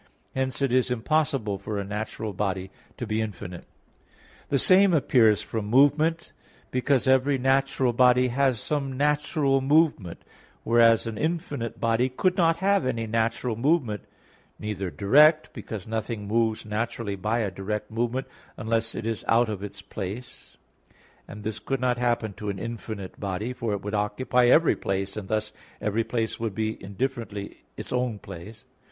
Hence it is impossible for a natural body to be infinite. The same appears from movement; because every natural body has some natural movement; whereas an infinite body could not have any natural movement; neither direct, because nothing moves naturally by a direct movement unless it is out of its place; and this could not happen to an infinite body, for it would occupy every place, and thus every place would be indifferently its own place.